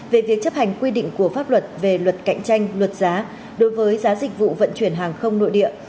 về việc chấp hành quy định của pháp luật về luật cạnh tranh luật giá đối với giá dịch vụ vận chuyển hàng không nội địa